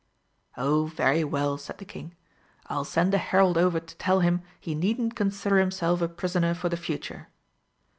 "Oh, very well," said the King, "I'll send a herald over to tell him he needn't consider himself a prisoner for the future."